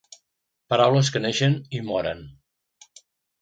Paraules que neixen i moren.